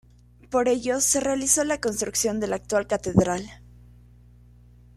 Por ello, se realizó la construcción de la actual catedral.